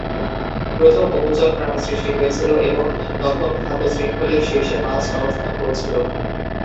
প্রথম উভচর প্রাণী সৃষ্টি হয়েছিল এবং তখন খাদ্য শৃঙ্খলের শীর্ষে মাছ অবস্থান করছিল।